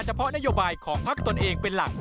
เพาะนโยบายของพักตนเองเป็นหลัก